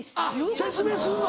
あっ説明すんの。